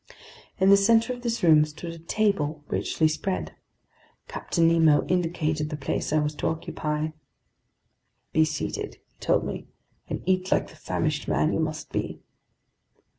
In the center of this room stood a table, richly spread. Captain Nemo indicated the place I was to occupy. "Be seated," he told me, "and eat like the famished man you must be."